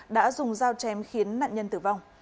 đã dùng dao chém khiến nạn nhân tử vong